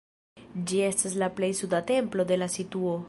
Ĝi estas la plej suda templo de la situo.